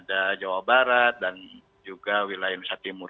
dan ada jawa barat dan juga wilayah nusa timur